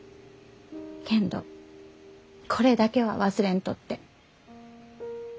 けんどこれだけは忘れんとって。